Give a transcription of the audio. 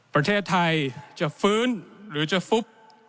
ประเทศไทยจะฟื้นหรือจะฟุบ